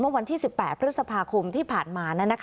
วันที่๑๘พฤษภาคมที่ผ่านมา